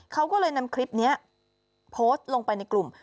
เขาก็เลยนำคลิปนี้โพสต์ลงไปในกลุ่ม